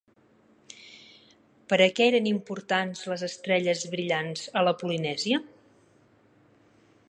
Per a què eren importants les estrelles brillants a la Polinèsia?